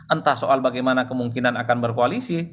entah soal bagaimana kemungkinan akan berkoalisi